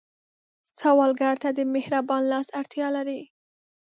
سوالګر ته د مهربان لاس اړتیا لري